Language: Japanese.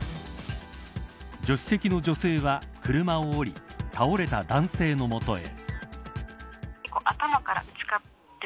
助手席の女性は車を降り倒れた男性の元へ。